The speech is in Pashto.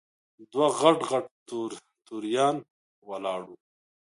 دوه غټ غټ توریان ولاړ وو.